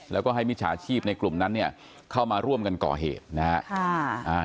แล้วก็ให้มิจฉาชีพในกลุ่มนั้นเนี่ยเข้ามาร่วมกันก่อเหตุนะฮะ